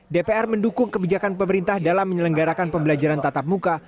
dpr mendukung kebijakan pemerintah dalam menyelenggarakan pembelajaran tatap muka